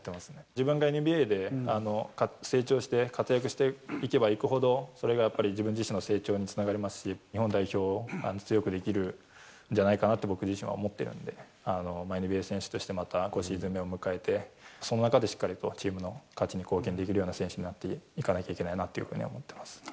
自分がＮＢＡで成長して活躍していけばいくほど、それがやっぱり、自分自身の成長につながりますし、日本代表を強くできるんじゃないかなと僕自身は思ってるんで、ＮＢＡ選手として、また５シーズン目を迎えて、その中でしっかりと、チームの勝ちに貢献できるような選手になっていかなきゃいけない